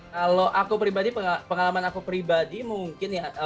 kalau aku pribadi pengalaman aku pribadi mungkin ya